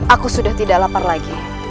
aku sudah tidak lapar lagi